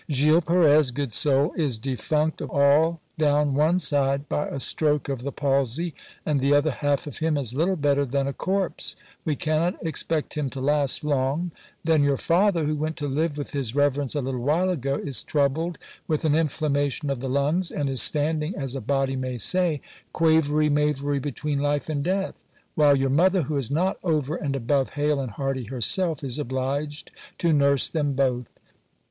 Gil Perez, good soul ! is defunct all down one side by ■ a stroke of the palsy, and the other half of him is little better than a corpse ; we cannot expect him to last long : then your father, who went to live with his reverence a little while ago, is troubled with an inflammation of the lungs, and is standing, as a body may say, quavery mavery between life and death ; while your mother, who is not over and above hale and hearty herself, is obliged to nurse them both.